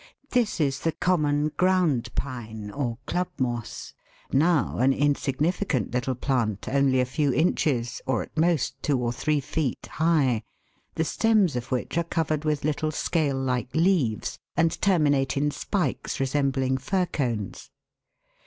This is the common ground pine, or club moss, now an insignificant little plant only a few inches, or at most two or three feet, high, the stems of which are covered with little scale like leaves and terminate in spikes resembling fir cones.